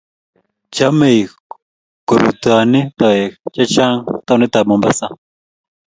chomei ku rotyini tooek che chang' townitab Mombasa